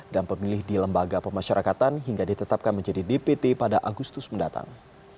dan pemilih di lembaga pemasyarakatan hingga ditetapkan menjadi dpt pada agustus mendatang